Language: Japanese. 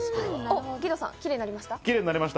義堂さん、キレイになりました？